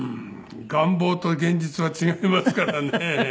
願望と現実は違いますからね。